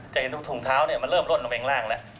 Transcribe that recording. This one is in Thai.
จะเห็นว่าถุงเท้ามันเริ่มร่วนลงแมงล่างแล้ว